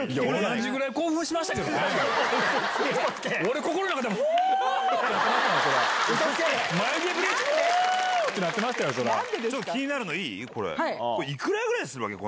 同じぐらい興奮しましたけどうそつけ。